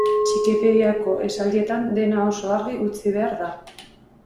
Txikipediako esaldietan dena oso argi utzi behar da.